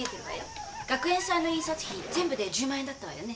学園祭の印刷費全部で１０万円だったわよね。